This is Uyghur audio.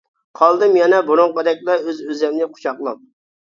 قالدىم يەنە بۇرۇنقىدەكلا ئۆز ئۆزۈمنى قۇچاقلاپ.